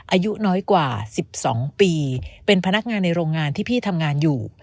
อายุน้อยกว่า๑๒ปีเป็นพนักงานในโรงงานที่พี่ทำงานอยู่